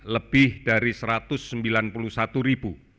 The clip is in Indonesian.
lebih dari rp satu ratus sembilan puluh satu